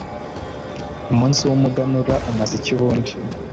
umunsi w'umuganura umaze iki ubundi